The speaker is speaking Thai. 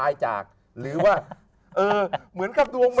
เออเพื่อนแต่เพื่อน